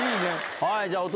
はい、じゃあ、お隣。